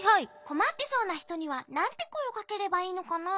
こまってそうなひとにはなんてこえをかければいいのかな？